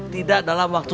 tidak dalam waktu